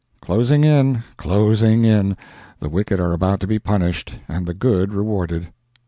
"—closing in, closing in; the wicked are about to be punished, and the good rewarded.